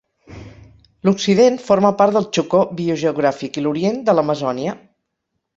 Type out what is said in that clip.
L'occident forma part del Chocó biogeogràfic i l'orient de l'Amazònia.